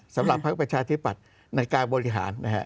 สำหรับภักดิ์ประชาธิบัติในการบริหาร